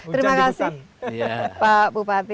terima kasih pak bupati